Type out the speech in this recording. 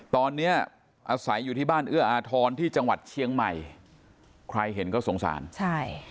ตอนนี้อาศัยอยู่ที่บ้านเอื้ออาทรที่จังหวัดเชียงใหม่ใครเห็นก็สงสารใช่